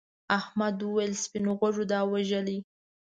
احمد وویل سپین غوږو دا وژلي.